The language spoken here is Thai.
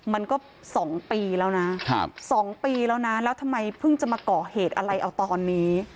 มันก็๒ปีแล้วนะ๒ปีแล้วนะแล้วทำไมเพิ่งจะมาก่อเหตุอะไรเอาตอนนี้